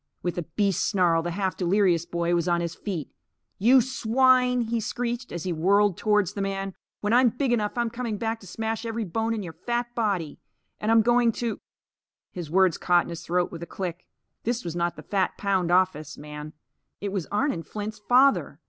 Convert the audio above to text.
With a beast snarl, the half delirious boy was on his feet. "You swine!" he screeched, as he whirled towards the man. "When I'm big enough, I'm coming back to smash every bone in your fat body! And I'm going to " His words caught in his throat with a click. This was not the fat pound office man. It was Arnon Flint's father.